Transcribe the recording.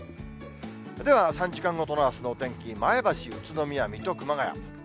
では、３時間ごとのあすのお天気、前橋、宇都宮、水戸、熊谷。